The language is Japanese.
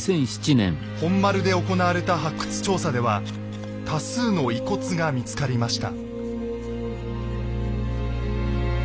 本丸で行われた発掘調査では多数の遺骨が見つかりました。